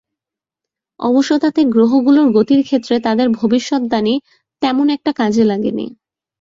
অবশ্য তাতে গ্রহগুলোর গতির ক্ষেত্রে তাঁদের ভবিষ্যদ্বাণী তেমন একটা কাজে লাগেনি।